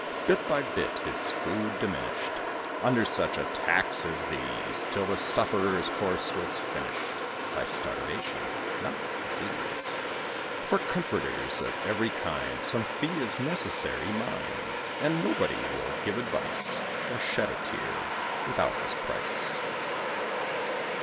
Bit by bit his food diminished, Under such attacks as these; Till the sufferer's course was finished By starvation not disease. For comforters of every kind Some fee is necessary, mind; And nobody will give advice, Or shed a tear, without his price.